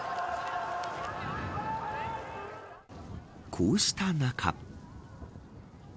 こうした中。